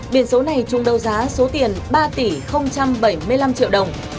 biển số này chung đấu giá số tiền ba tỷ bảy mươi năm triệu đồng